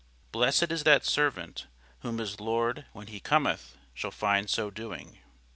Blessed is that servant, whom his lord when he cometh shall find so doing.